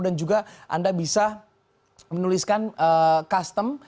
dan juga anda bisa menuliskan custom